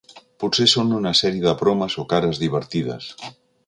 Potser són una sèrie de bromes o cares divertides.